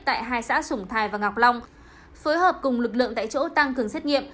tại hai xã sủng thái và ngọc long phối hợp cùng lực lượng tại chỗ tăng cường xét nghiệm